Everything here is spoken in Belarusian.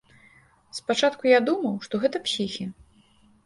Спачатку я думаў, што гэта псіхі.